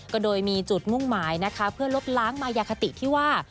โดยมีจุดมุ่งหมายนะคะเพื่อลบล้างมายาคติที่ว่า